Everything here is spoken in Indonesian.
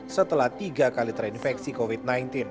setelah tiga kali terinfeksi covid sembilan belas